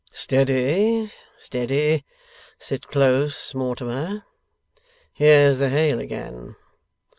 Steady, steady! Sit close, Mortimer. Here's the hail again.